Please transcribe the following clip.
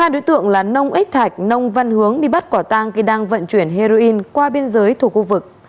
hai đối tượng là nông ích thạch nông văn hướng bị bắt quả tang khi đang vận chuyển heroin qua biên giới thuộc khu vực